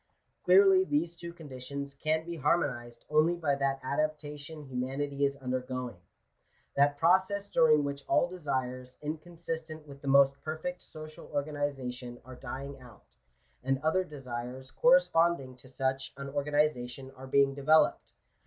Clearly these two conditions can be harmonized only by that adaptation humanity is undergoing — that process during which all desires inconsistent with the most perfect social organiza tion are dying out, and other desires corresponding to such an organization are being developed.